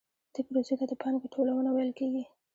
دې پروسې ته د پانګې ټولونه ویل کېږي